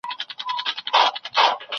ما نن د ساینسي حقایقو په اړه یو فلم ولید.